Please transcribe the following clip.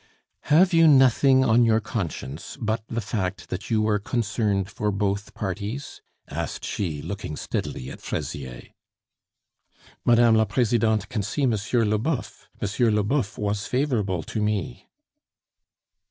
"Have you nothing on your conscience but the fact that you were concerned for both parties?" asked she, looking steadily at Fraisier. "Mme. la Presidente can see M. Leboeuf; M. Leboeuf was favorable to me."